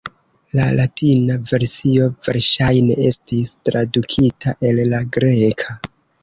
La latina versio verŝajne estis tradukita el la greka.